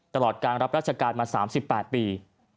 ตลอดการรับราชการมา๓๘ปี